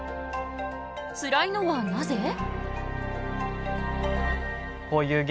つらいのはなぜ？